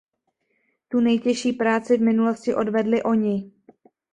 Tu nejtěžší práci v minulosti odvedli oni.